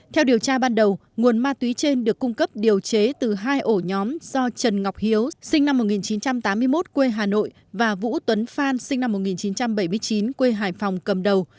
theo điều tra ban đầu nguồn ma túy trên được cung cấp điều chế từ hai ổ nhóm do trần ngọc hiếu sinh năm một nghìn chín trăm tám mươi một quê hà nội và vũ tuấn phan sinh năm một nghìn chín trăm bảy mươi chín quê hải phòng cầm đầu